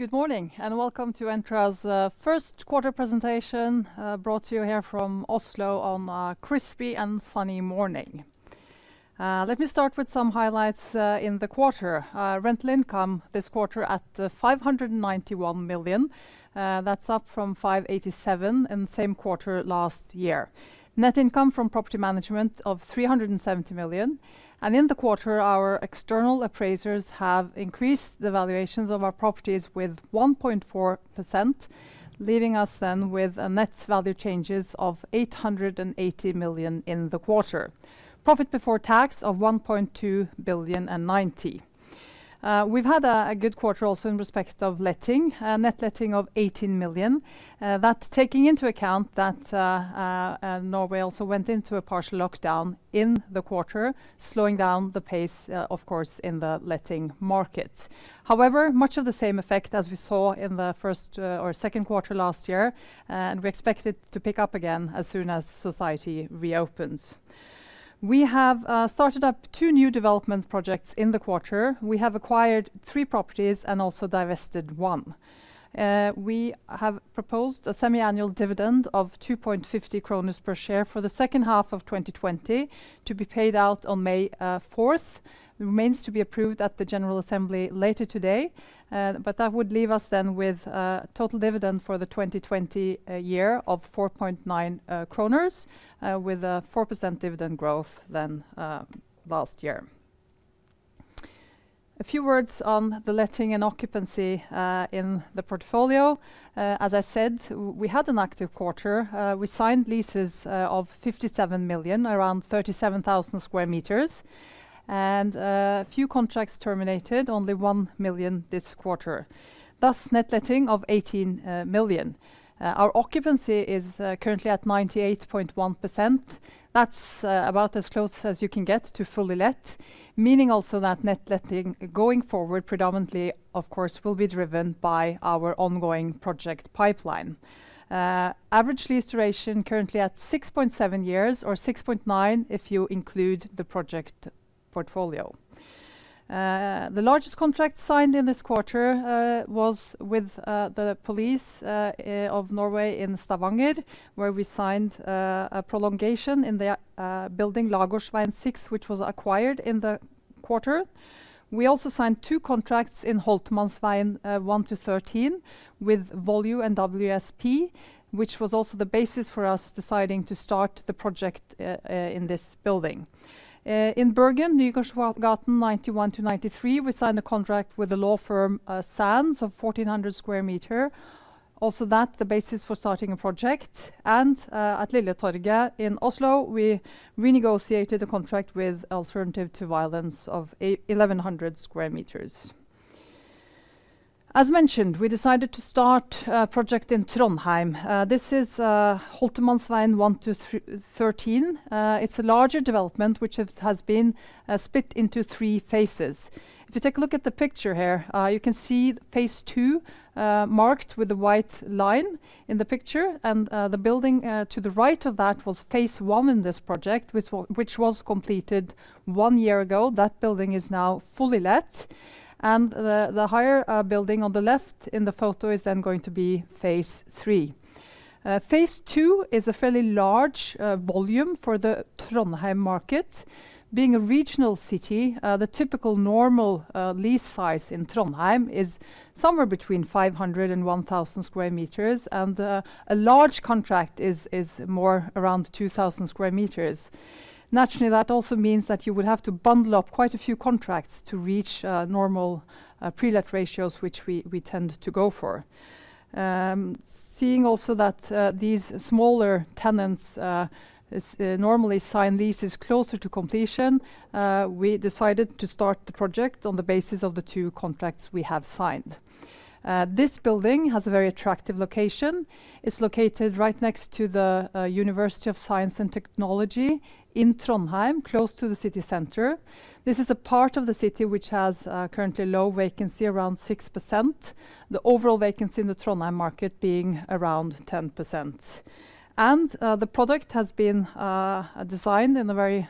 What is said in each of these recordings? Good morning, and welcome to Entra's Q1 presentation, brought to you here from Oslo on a crispy and sunny morning. Let me start with some highlights in the quarter. Rental income this quarter at 591 million. That's up from 587 in the same quarter last year. Net income from property management of 370 million, and in the quarter, our external appraisers have increased the valuations of our properties with 1.4%, leaving us then with a net value changes of 880 million in the quarter. Profit before tax of 1.2 billion and 90. We've had a good quarter also in respect of letting, a net letting of 18 million. That's taking into account that Norway also went into a partial lockdown in the quarter, slowing down the pace, of course, in the letting market. Much of the same effect as we saw in the first or Q2 last year, and we expect it to pick up again as soon as society reopens. We have started up two new development projects in the quarter. We have acquired three properties and also divested one. We have proposed a semi-annual dividend of 2.50 per share for the second half of 2020, to be paid out on May 4th. Remains to be approved at the General Assembly later today, that would leave us then with a total dividend for the 2020 year of 4.9 kroner, with a 4% dividend growth than last year. A few words on the letting and occupancy in the portfolio. As I said, we had an active quarter. We signed leases of 57 million, around 37,000 sq m, and a few contracts terminated, only 1 million this quarter. Net letting of 18 million. Our occupancy is currently at 98.1%. That's about as close as you can get to fully let, meaning also that net letting going forward predominantly, of course, will be driven by our ongoing project pipeline. Average lease duration currently at 6.7 years, or 6.9 if you include the project portfolio. The largest contract signed in this quarter was with the Police of Norway in Stavanger, where we signed a prolongation in their building, Lagårdsveien six, which was acquired in the quarter. We also signed two contracts in Holtermannsveien 1-13 with Volue and WSP, which was also the basis for us deciding to start the project in this building. In Bergen, Nygårdsgaten 91-93, we signed a contract with the law firm SANDS of 1,400 sq m. Also that, the basis for starting a project. At Lilletorget in Oslo, we renegotiated a contract with Alternativ til Vold of 1,100 sq m. As mentioned, we decided to start a project in Trondheim. This is Holtermannsveien 1-13. It's a larger development, which has been split into three phases. If you take a look at the picture here, you can see phase II marked with the white line in the picture, and the building to the right of that was phase I in this project, which was completed one year ago. That building is now fully let, and the higher building on the left in the photo is then going to be phase III. phase II is a fairly large volume for the Trondheim market. Being a regional city, the typical normal lease size in Trondheim is somewhere between 500 and 1,000 sq m, and a large contract is more around 2,000 sq m. Naturally, that also means that you would have to bundle up quite a few contracts to reach normal pre-let ratios, which we tend to go for. Seeing also that these smaller tenants normally sign leases closer to completion, we decided to start the project on the basis of the two contracts we have signed. This building has a very attractive location. It's located right next to the University of Science and Technology in Trondheim, close to the city center. This is a part of the city which has currently low vacancy, around 6%. The overall vacancy in the Trondheim market being around 10%. The product has been designed in a very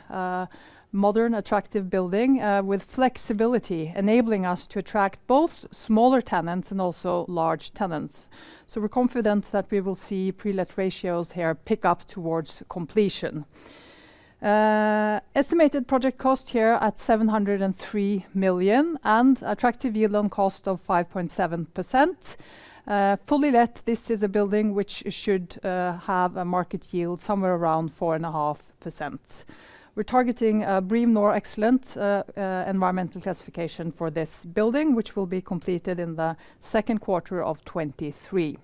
modern, attractive building with flexibility, enabling us to attract both smaller tenants and also large tenants. We're confident that we will see pre-let ratios here pick up towards completion. Estimated project cost here at 703 million, attractive yield on cost of 5.7%. Fully let, this is a building which should have a market yield somewhere around 4.5%. We're targeting a BREEAM-NOR Excellent environmental classification for this building, which will be completed in the Q2 of 2023.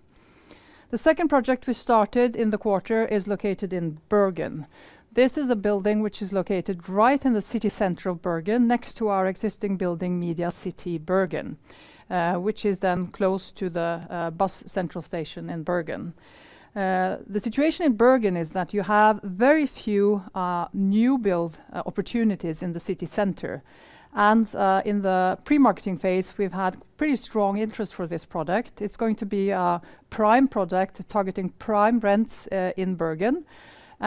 The second project we started in the quarter is located in Bergen. This is a building which is located right in the city center of Bergen, next to our existing building, Media City Bergen, which is then close to the bus central station in Bergen. The situation in Bergen is that you have very few new build opportunities in the city center. In the pre-marketing phase, we've had pretty strong interest for this project. It's going to be a prime project targeting prime rents in Bergen.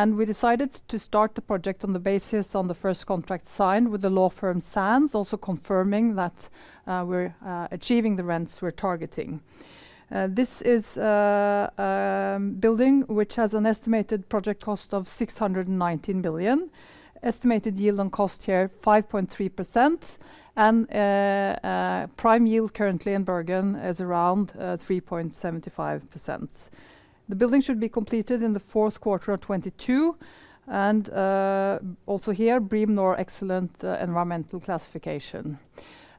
We decided to start the project on the basis on the first contract signed with the law firm SANDS, also confirming that we're achieving the rents we're targeting. This is a building which has an estimated project cost of 619 million. Estimated yield on cost here, 5.3%, and prime yield currently in Bergen is around 3.75%. The building should be completed in the Q4 of 2022, and also here, BREEAM-NOR Excellent environmental classification.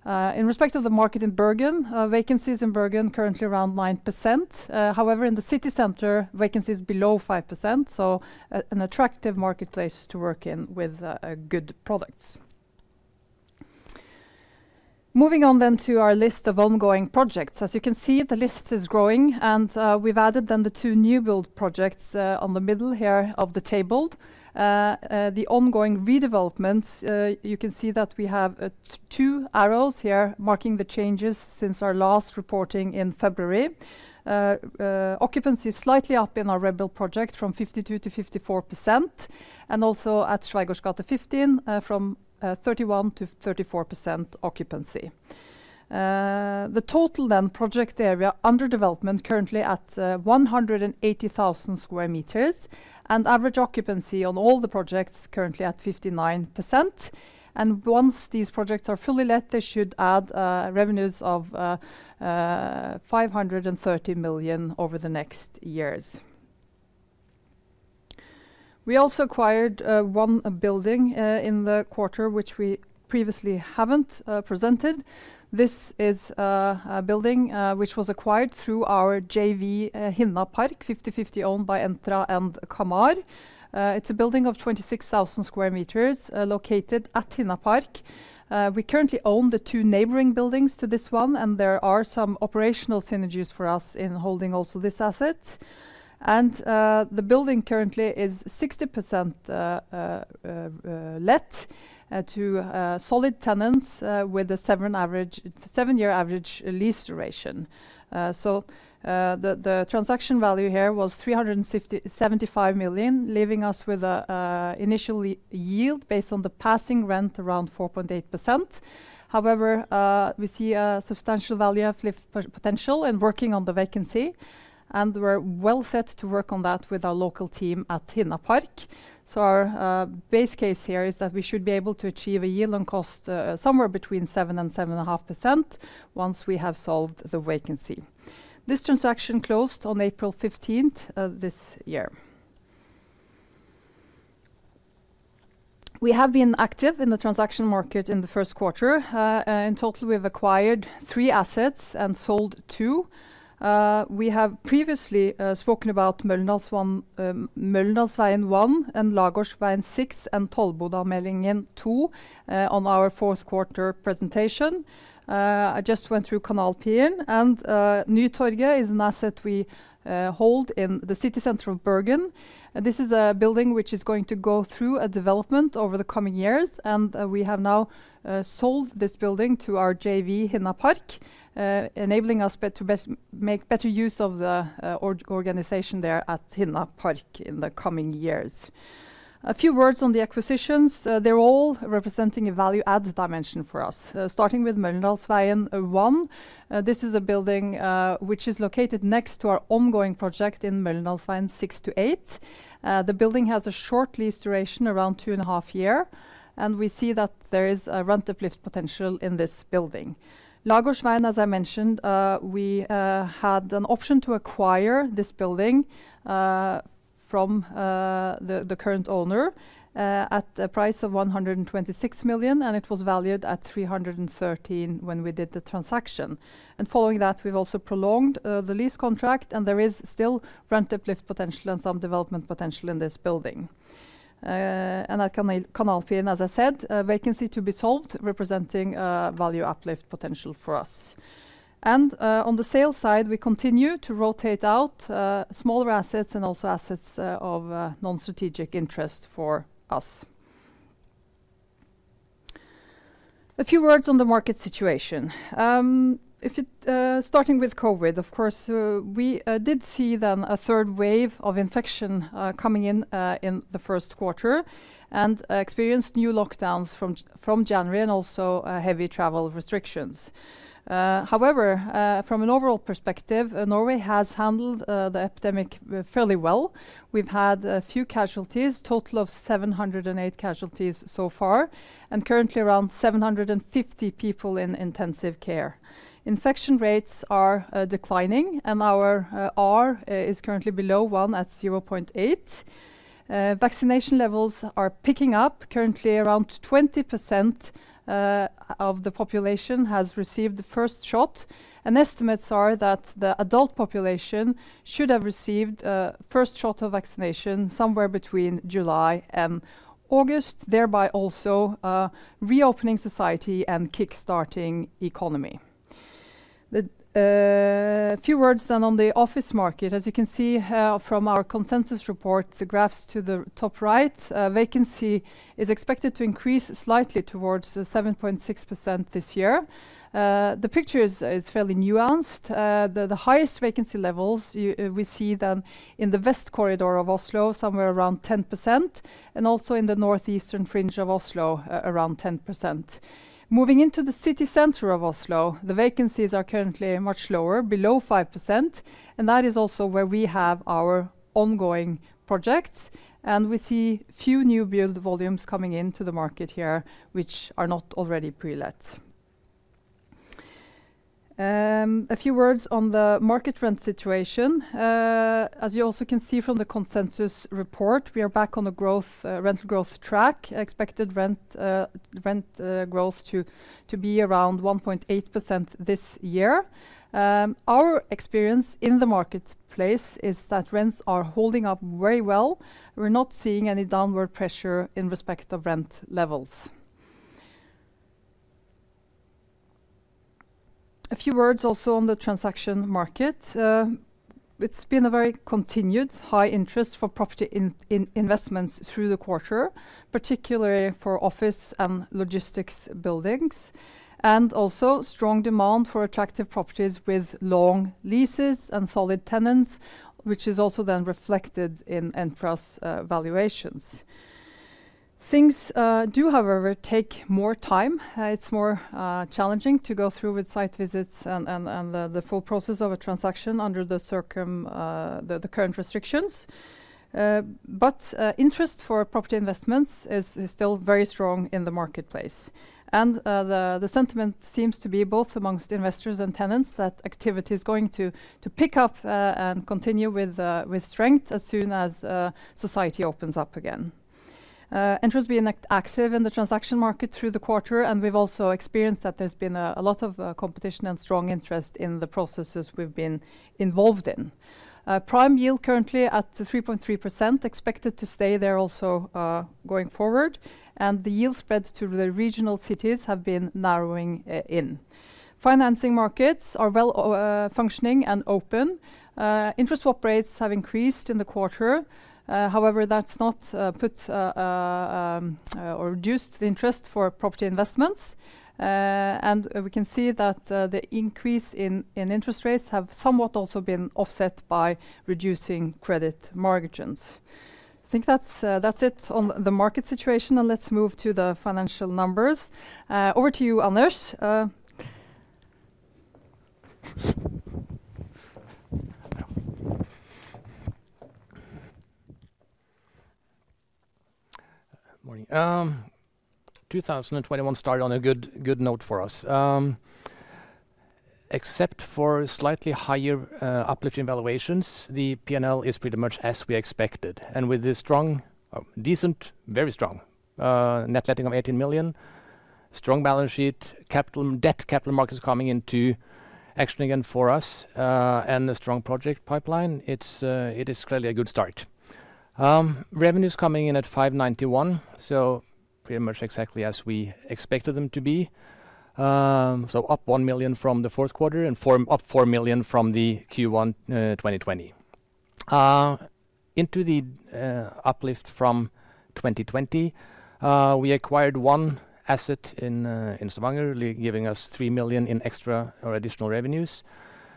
In respect of the market in Bergen, vacancies in Bergen currently around 9%. However, in the city center, vacancy is below 5%, so an attractive marketplace to work in with good products. Moving on then to our list of ongoing projects. As you can see, the list is growing, and we've added then the two new build projects on the middle here of the table. The ongoing redevelopments, you can see that we have two arrows here marking the changes since our last reporting in February. Occupancy is slightly up in our Rebel project from 52%-54%, and also at Schweigaards gate 15 from 31%-34% occupancy. The total project area under development currently at 180,000 sq m, and average occupancy on all the projects currently at 59%. Once these projects are fully let, they should add revenues of 530 million over the next years. We also acquired one building in the quarter, which we previously haven't presented. This is a building which was acquired through our JV Hinna Park, 50/50 owned by Entra and Camar. It's a building of 26,000 sq m located at Hinna Park. We currently own the two neighboring buildings to this one, and there are some operational synergies for us in holding also this asset. The building currently is 60% let to solid tenants with a seven-year average lease duration. The transaction value here was 375 million, leaving us with initially yield based on the passing rent around 4.8%. However, we see a substantial value uplift potential in working on the vacancy, and we're well set to work on that with our local team at Hinna Park. Our base case here is that we should be able to achieve a yield on cost somewhere between 7% and 7.5% once we have solved the vacancy. This transaction closed on April 15th this year. We have been active in the transaction market in the Q1. In total, we've acquired three assets and sold two. We have previously spoken about Møllendalsveien 1 and Lagårdsveien 6 and Tollbodallmenningen 2 on our Q4 presentation. I just went through Kanalpiren, and Nytorget is an asset we hold in the city center of Bergen. This is a building which is going to go through a development over the coming years, and we have now sold this building to our JV Hinna park, enabling us to make better use of the organization there at Hinna park in the coming years. A few words on the acquisitions. They're all representing a value add dimension for us. Starting with Møllendalsveien 1. This is a building which is located next to our ongoing project in Møllendalsveien 6-8. The building has a short lease duration around two and a half year, and we see that there is a rent uplift potential in this building. Lagårdsveien, as I mentioned, we had an option to acquire this building from the current owner at the price of 126 million. It was valued at 313 when we did the transaction. Following that, we've also prolonged the lease contract, and there is still rent uplift potential and some development potential in this building. At Kanalpiren, as I said, vacancy to be solved representing value uplift potential for us. On the sales side, we continue to rotate out smaller assets and also assets of non-strategic interest for us. A few words on the market situation. Starting with COVID, of course, we did see then a third wave of infection coming in in the Q1 and experienced new lockdowns from January and also heavy travel restrictions. However, from an overall perspective, Norway has handled the epidemic fairly well. We've had a few casualties, total of 708 casualties so far, and currently around 750 people in intensive care. Infection rates are declining, our R is currently below one at 0.8. Vaccination levels are picking up. Currently around 20% of the population has received the first shot, estimates are that the adult population should have received a first shot of vaccination somewhere between July and August, thereby also reopening society and kickstarting economy. A few words on the office market. As you can see from our consensus report, the graphs to the top right, vacancy is expected to increase slightly towards 7.6% this year. The picture is fairly nuanced. The highest vacancy levels we see then in the West Corridor of Oslo, somewhere around 10%, and also in the northeastern fringe of Oslo, around 10%. Moving into the city center of Oslo, the vacancies are currently much lower, below 5%, and that is also where we have our ongoing projects, and we see few new build volumes coming into the market here, which are not already pre-let. A few words on the market rent situation. As you also can see from the consensus report, we are back on the rent growth track, expected rent growth to be around 1.8% this year. Our experience in the marketplace is that rents are holding up very well. We're not seeing any downward pressure in respect of rent levels. A few words also on the transaction market. It's been a very continued high interest for property investments through the quarter, particularly for office and logistics buildings, and also strong demand for attractive properties with long leases and solid tenants, which is also then reflected in Entra's valuations. Things do, however, take more time. It's more challenging to go through with site visits and the full process of a transaction under the current restrictions. Interest for property investments is still very strong in the marketplace. The sentiment seems to be both amongst investors and tenants that activity is going to pick up and continue with strength as soon as society opens up again. Entra has been active in the transaction market through the quarter. We've also experienced that there's been a lot of competition and strong interest in the processes we've been involved in. Prime yield currently at 3.3%, expected to stay there also going forward. The yield spreads to the regional cities have been narrowing in. Financing markets are well functioning and open. Interest swap rates have increased in the quarter. However, that's not put or reduced the interest for property investments. We can see that the increase in interest rates have somewhat also been offset by reducing credit margins. I think that's it on the market situation, and let's move to the financial numbers. Over to you, Anders. Morning. 2021 started on a good note for us. Except for slightly higher uplifting valuations, the P&L is pretty much as we expected. With this very strong net letting of 18 million, strong balance sheet, debt capital markets coming into action again for us, and a strong project pipeline, it is clearly a good start. Revenues coming in at 591, so pretty much exactly as we expected them to be. Up 1 million from the Q4 and up 4 million from the Q1 2020. Into the uplift from 2020, we acquired one asset in Stavanger, giving us 3 million in extra or additional revenues.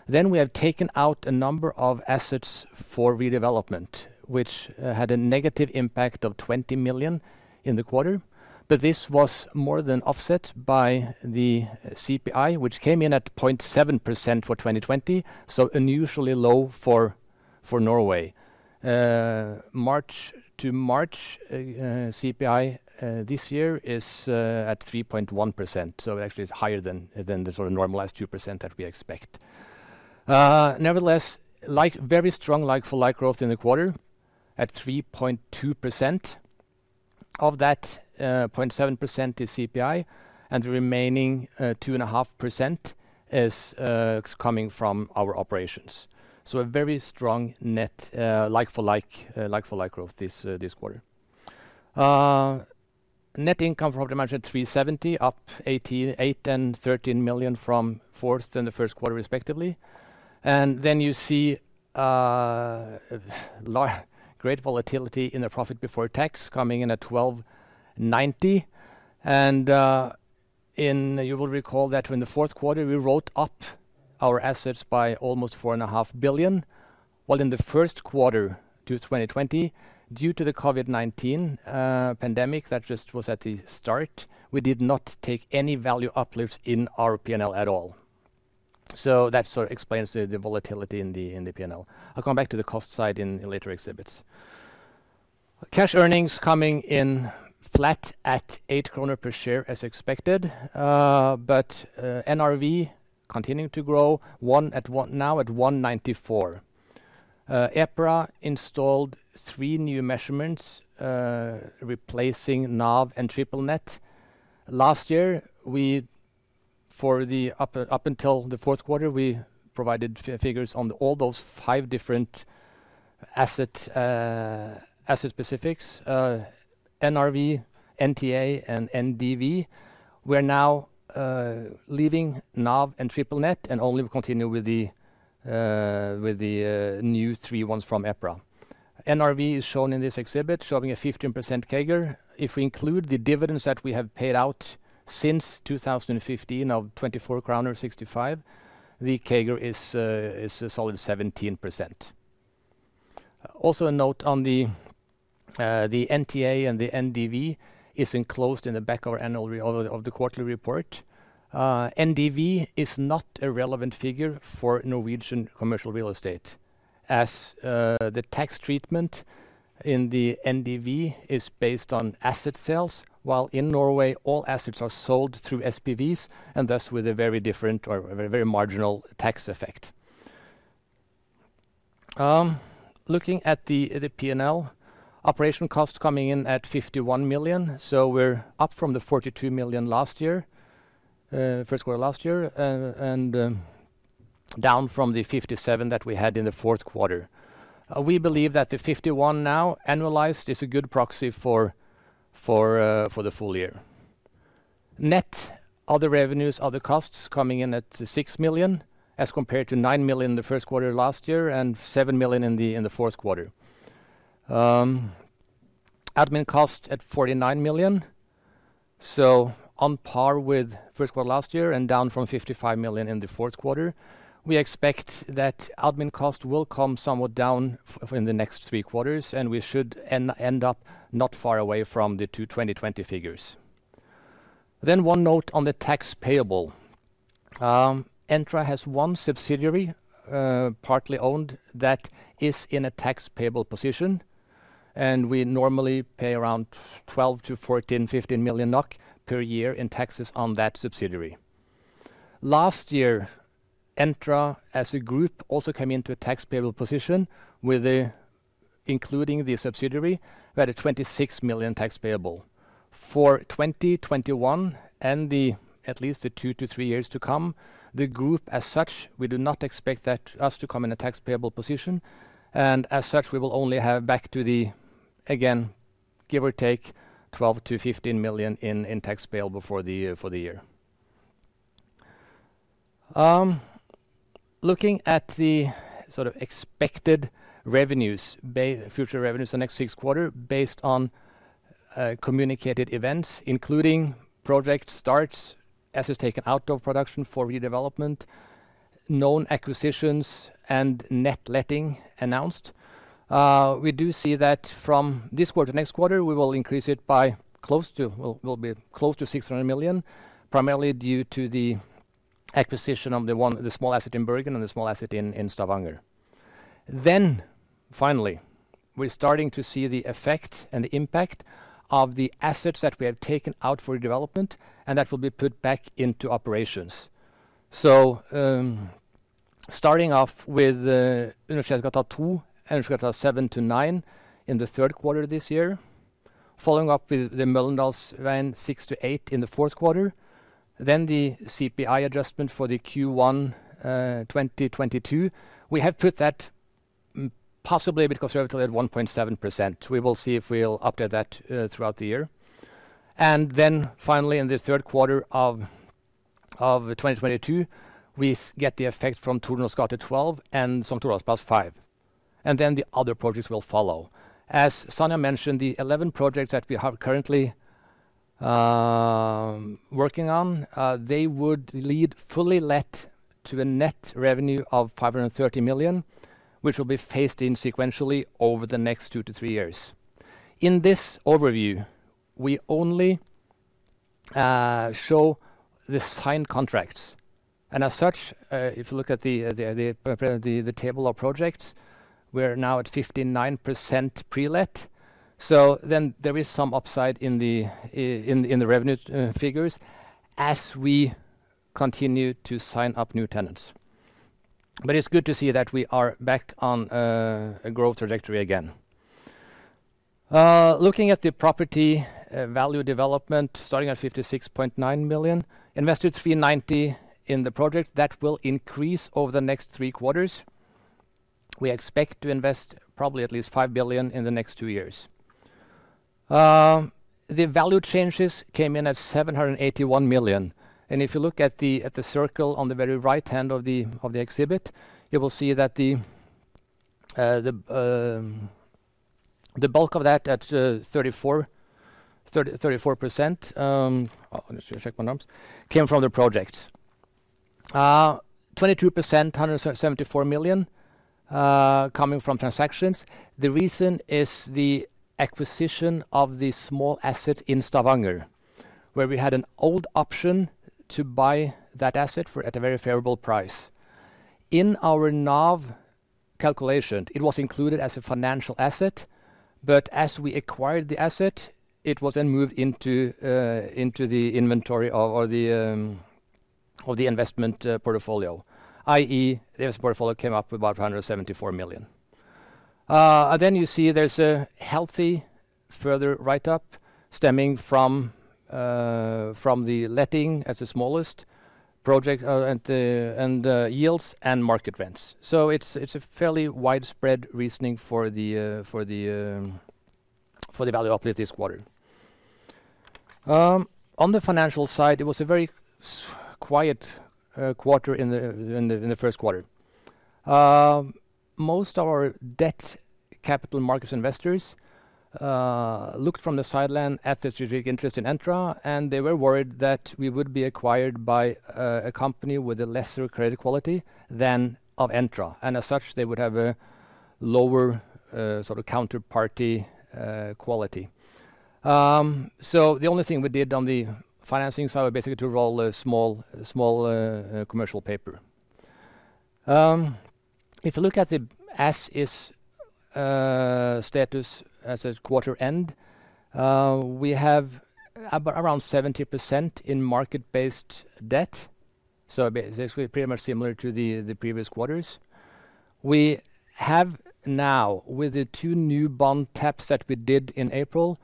We have taken out a number of assets for redevelopment, which had a negative impact of 20 million in the quarter. This was more than offset by the CPI, which came in at 0.7% for 2020, so unusually low for Norway. March to March CPI this year is at 3.1%, actually it's higher than the sort of normalized 2% that we expect. Nevertheless, very strong like-for-like growth in the quarter at 3.2%. Of that, 0.7% is CPI, the remaining 2.5% is coming from our operations. A very strong net like-for-like growth this quarter. Net income from 370, up 88 and 13 million from fourth and the Q1 respectively. You see great volatility in the profit before tax coming in at 1,290. You will recall that in the Q4, we wrote up our assets by almost 4.5 Billion, while in the Q1 to 2020, due to the COVID-19 pandemic that just was at the start, we did not take any value uplifts in our P&L at all. That sort of explains the volatility in the P&L. I'll come back to the cost side in later exhibits. Cash earnings coming in flat at 8 kroner per share as expected. NRV continuing to grow, now at 194. EPRA installed three new measurements, replacing NAV and triple net. Last year, up until the Q4, we provided figures on all those five different asset specifics, NRV, NTA, and NDV. We are now leaving NAV and triple net and only continue with the new three ones from EPRA. NRV is shown in this exhibit, showing a 15% CAGR. If we include the dividends that we have paid out since 2015 of 24 crown or 65, the CAGR is a solid 17%. A note on the NTA and the NDV is enclosed in the back of the quarterly report. NDV is not a relevant figure for Norwegian commercial real estate, as the tax treatment in the NDV is based on asset sales, while in Norway all assets are sold through SPVs, and thus with a very different or very marginal tax effect. Looking at the P&L. Operational cost coming in at 51 million. We're up from the 42 million Q1 last year, and down from the 57 million that we had in the Q4. We believe that the 51 million now annualized is a good proxy for the full year. Net other revenues, other costs coming in at 6 million as compared to 9 million the Q1 last year and 7 million in the Q4. Admin cost at 49 million. On par with Q1 last year and down from 55 million in the Q4. We expect that admin cost will come somewhat down in the next three quarters. We should end up not far away from the 2020 figures. One note on the tax payable. Entra has one subsidiary, partly owned, that is in a tax payable position. We normally pay around 12-14, 15 million NOK per year in taxes on that subsidiary. Last year, Entra as a group also came into a tax payable position including the subsidiary, we had a 26 million tax payable. For 2021 and at least the two to three years to come, the group as such, we do not expect us to come in a tax payable position. As such, we will only have back to the, again, give or take 12-5 million in tax payable for the year. Looking at the sort of expected future revenues the next six quarter based on communicated events, including project starts, assets taken out of production for redevelopment, known acquisitions, and net letting announced. We do see that from this quarter-next-quarter, we will increase it by close to 600 million, primarily due to the acquisition of the small asset in Bergen and the small asset in Stavanger. Finally, we're starting to see the effect and the impact of the assets that we have taken out for development and that will be put back into operations. Starting off with Øvre Slottsgate 2 and Øvre Slottsgate 7-9 in the Q3 this year. Following up with the Møllendalsveien 6-8 in the Q4. The CPI adjustment for the Q1 2022. We have put that possibly a bit conservative at 1.7%. We will see if we'll update that throughout the year. Then finally, in the Q3 of 2022, we get the effect from Tordenskiolds gate 12 and St. Olavs plass 5. Then the other projects will follow. As Sonja mentioned, the 11 projects that we are currently working on, they would lead fully let to a net revenue of 530 million, which will be phased in sequentially over the next two to three years. In this overview, we only show the signed contracts. As such, if you look at the table of projects, we are now at 59% pre-let. Then there is some upside in the revenue figures as we continue to sign up new tenants. It's good to see that we are back on a growth trajectory again. Looking at the property value development, starting at 56.9 million. Invested 390 million in the project. That will increase over the next three quarters. We expect to invest probably at least 5 billion in the next two years. The value changes came in at 781 million. If you look at the circle on the very right-hand of the exhibit, you will see that the bulk of that at 34%, let me just check my numbers, came from the projects. 22%, 174 million coming from transactions. The reason is the acquisition of the small asset in Stavanger, where we had an old option to buy that asset at a very favorable price. In our NAV calculation, it was included as a financial asset, but as we acquired the asset, it was then moved into the inventory or the investment portfolio, i.e. the investment portfolio came up with about 174 million. You see there's a healthy further write-up stemming from the letting as the smallest project and the yields and market rents. It's a fairly widespread reasoning for the value uplift this quarter. On the financial side, it was a very quiet Q1. Most of our debt capital markets investors looked from the sideline at the strategic interest in Entra, and they were worried that we would be acquired by a company with a lesser credit quality than of Entra. As such, they would have a lower counterparty quality. The only thing we did on the financing side was basically to roll a small commercial paper. If you look at the as is status as at quarter end, we have around 70% in market-based debt. Basically, pretty much similar to the previous quarters. We have now, with the two new bond taps that we did in April,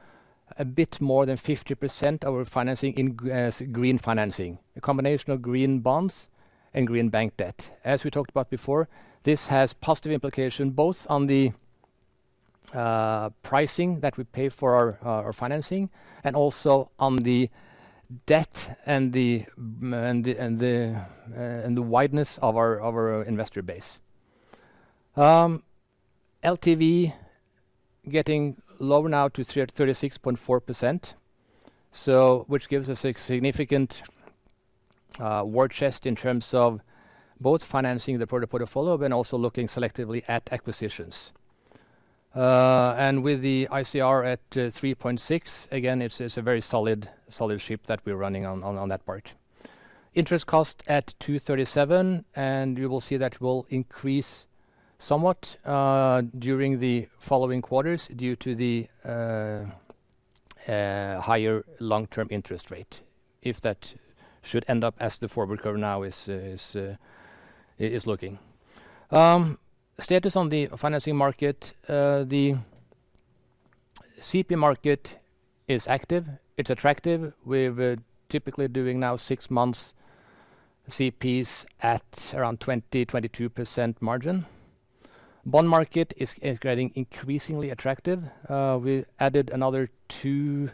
a bit more than 50% of our financing as green financing. A combination of green bonds and green bank debt. As we talked about before, this has positive implication both on the pricing that we pay for our financing and also on the debt and the wideness of our investor base. LTV getting lower now to 36.4%, which gives us a significant war chest in terms of both financing the portfolio but also looking selectively at acquisitions. With the ICR at 3.6, again, it's a very solid ship that we're running on that part. Interest cost at 237. You will see that will increase somewhat during the following quarters due to the higher long-term interest rate. If that should end up as the forward curve now is looking. Status on the financing market. The CP market is active, it's attractive. We're typically doing now six months CPs at around 20%-22% margin. Bond market is getting increasingly attractive. We added another two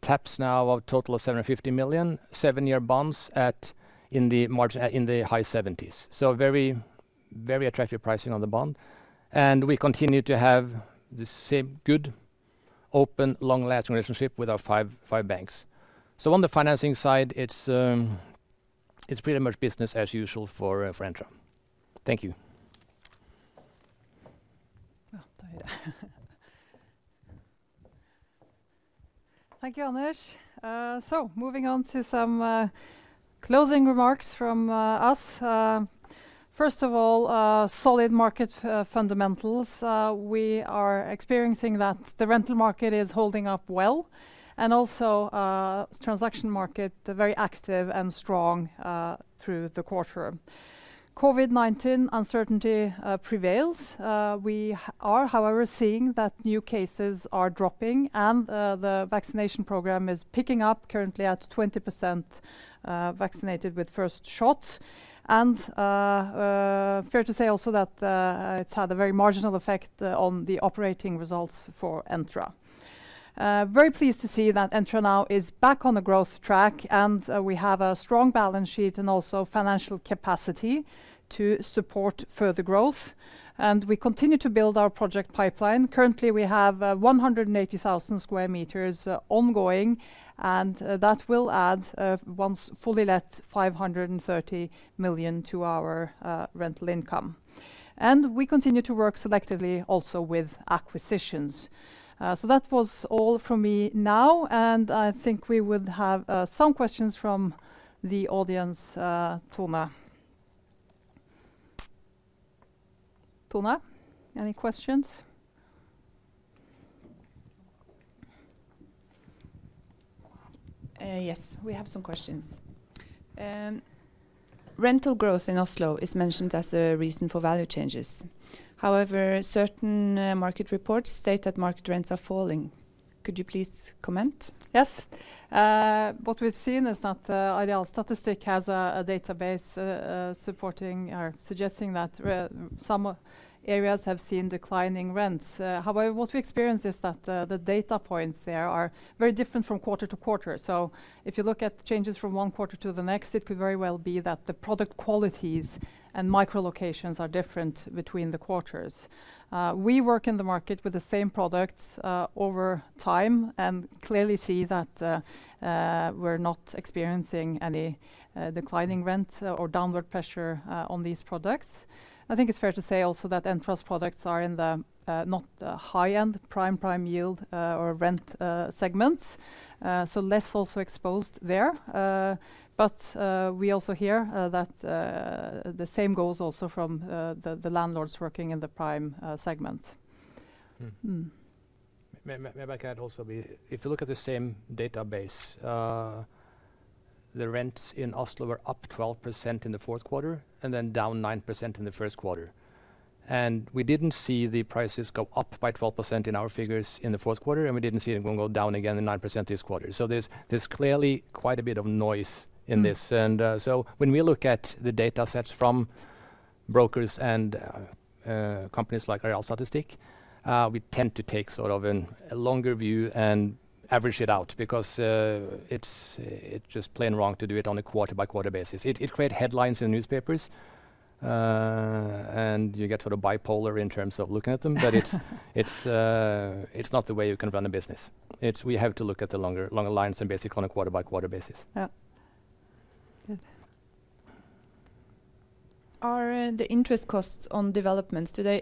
taps now of total of 750 million. seven-year bonds in the high 70s. Very attractive pricing on the bond. We continue to have the same good, open, long-lasting relationship with our five banks. On the financing side, it's pretty much business as usual for Entra. Thank you. There you are. Thank you, Anders. Moving on to some closing remarks from us. First of all, solid market fundamentals. We are experiencing that the rental market is holding up well, and also, transaction market, very active and strong through the quarter. COVID-19 uncertainty prevails. We are, however, seeing that new cases are dropping and the vaccination program is picking up, currently at 20% vaccinated with first shot. Fair to say also that it's had a very marginal effect on the operating results for Entra. Very pleased to see that Entra now is back on the growth track, and we have a strong balance sheet and also financial capacity to support further growth. We continue to build our project pipeline. Currently, we have 180,000 sq m ongoing, and that will add, once fully let, 530 million to our rental income. We continue to work selectively also with acquisitions. That was all from me now, and I think we would have some questions from the audience, Tone. Tone, any questions? Yes, we have some questions. Rental growth in Oslo is mentioned as a reason for value changes. However, certain market reports state that market rents are falling. Could you please comment? Yes. What we've seen is that Statistics Norway has a database suggesting that some areas have seen declining rents. However, what we experience is that the data points there are very different from quarter-to-quarter. If you look at changes from one quarter to the next, it could very well be that the product qualities and micro locations are different between the quarters. We work in the market with the same products over time and clearly see that we're not experiencing any declining rent or downward pressure on these products. I think it's fair to say also that Entra's products are in the not high-end prime yield or rent segments, so less also exposed there. We also hear the same goals also from the landlords working in the prime segment. If you look at the same database, the rents in Oslo were up 12% in the Q4 and then down 9% in the Q1. We didn't see the prices go up by 12% in our figures in the Q4, and we didn't see them go down again the 9% this quarter. There's clearly quite a bit of noise in this. When we look at the data sets from brokers and companies like Arealstatistikk, we tend to take a longer view and average it out because it's just plain wrong to do it on a quarter-by-quarter basis. It creates headlines in newspapers, and you get bipolar in terms of looking at them. But it's not the way you can run a business. We have to look at the longer lines than basically on a quarter-by-quarter basis. Yeah. Good. Are the interest costs on developments, are they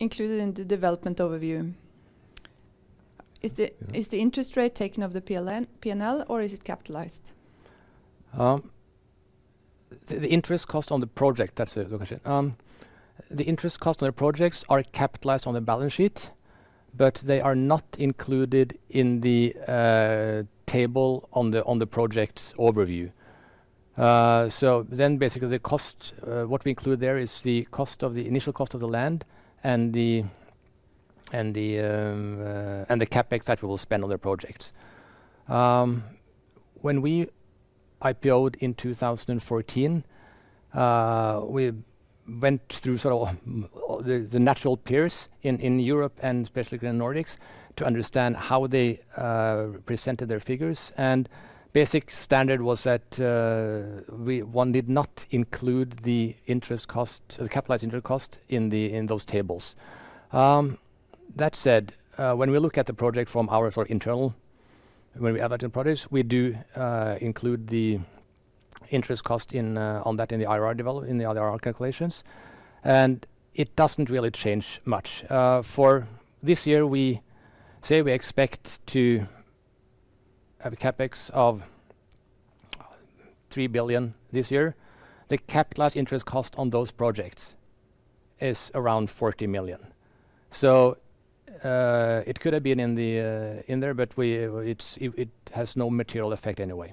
included in the development overview? Is the interest rate taken of the P&L, or is it capitalized? The interest cost on the project. That's a good question. The interest cost on the projects are capitalized on the balance sheet, but they are not included in the table on the project overview. Basically what we include there is the initial cost of the land and the CapEx that we will spend on the projects. When we IPO'd in 2014, we went through the natural peers in Europe and especially the Nordics to understand how they presented their figures, and basic standard was that one did not include the capitalized interest cost in those tables. That said, when we look at the project from our internal, when we evaluate the projects, we do include the interest cost on that in the IRR calculations, and it doesn't really change much. For this year, we say we expect to have a CapEx of 3 billion this year. The capitalized interest cost on those projects is around 40 million. It could have been in there, but it has no material effect anyway.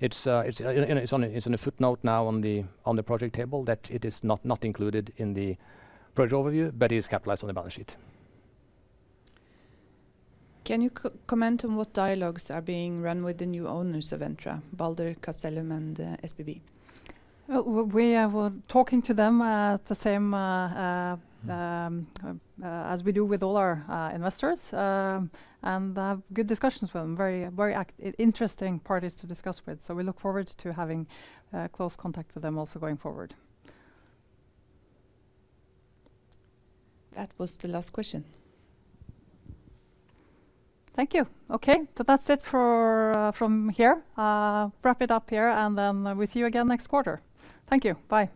It is in a footnote now on the project table that it is not included in the project overview but is capitalized on the balance sheet. Can you comment on what dialogues are being run with the new owners of Entra, Balder, Castellum, and SBB? Well, we are talking to them the same as we do with all our investors. Have good discussions with them. Very interesting parties to discuss with. We look forward to having close contact with them also going forward. That was the last question. Thank you. Okay. That's it from here. Wrap it up here, we'll see you again next quarter. Thank you. Bye.